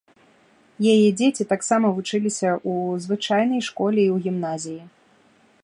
Яе дзеці таксама вучыліся ў звычайнай школе і ў гімназіі.